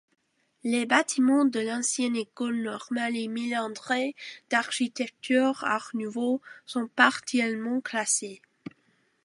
Les bâtiments de l'ancienne école normale Émile André, d'architecture Art nouveau, sont partiellement classés.